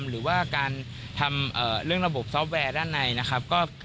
หรือว่าการทำเรื่องระบบซอฟต์แวร์ด้านในนะครับ